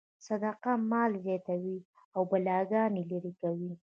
صدقه مال زیاتوي او بلاګانې لرې کوي.